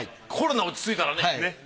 コロナ落ち着いたらね。